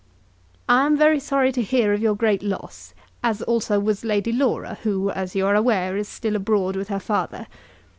I am very sorry to hear of your great loss, as also was Lady Laura, who, as you are aware, is still abroad with her father.